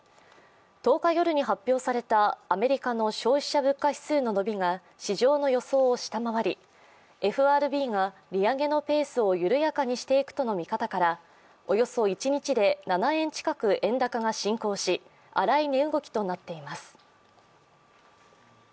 １０日夜に発表されたアメリカの消費者物価指数の伸びが市場の予想を下回り、ＦＲＢが利上げのペースを緩やかにしていくとの見方からおよそ１日で７円近く円高が進行し荒い値動きとなっています。